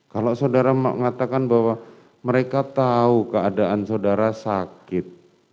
kalau saudara mengatakan bahwa mereka tahu keadaan saudara sakit